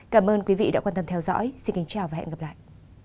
cảm ơn quý vị đã quan tâm theo dõi xin kính chào và hẹn gặp lại